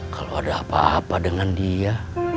kalau ada apa apa dengan dia